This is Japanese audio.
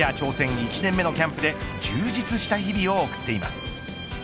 １年目のキャンプで充実した日々を送っています。